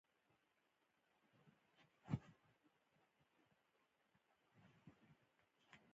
پر احمد مې پسه خرڅ کړ؛ خو پر سپين ډاګ يې غاښونه را واېستل.